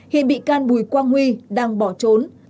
hiện bị can bùi quang huy đang bỏ trốn